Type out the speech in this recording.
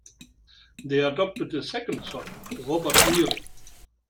They adopted a second son, Robert Nearing.